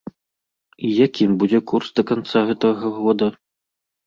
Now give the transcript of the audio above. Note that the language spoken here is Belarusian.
І якім будзе курс да канца гэтага года?